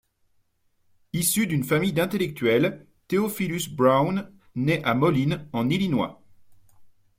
Issu d'une famille d'intellectuels, Theophilus Brown naît à Moline, en Illinois.